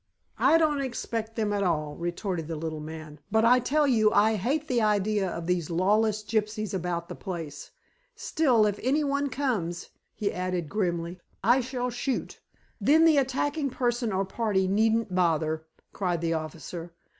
"I don't expect them at all," retorted the little man. "But I tell you I hate the idea of these lawless gypsies about the place. Still, if anyone comes," he added grimly, "I shall shoot." "Then the attacking person or party needn't bother," cried the officer.